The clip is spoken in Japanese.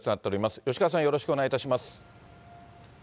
吉川さん、よろしくお願いいたします。